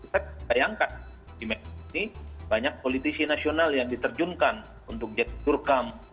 saya bayangkan banyak politisi nasional yang diterjunkan untuk jadi turkam